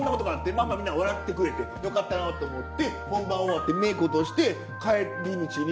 まあまあみんなが笑ってくれてよかったなと思って本番終わってメーク落として帰り道に。